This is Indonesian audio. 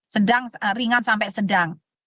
sedang ringan sampai sedang